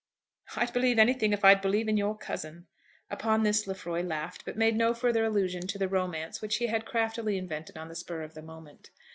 "I'd believe anything if I'd believe in your cousin." Upon this Lefroy laughed, but made no further allusion to the romance which he had craftily invented on the spur of the moment.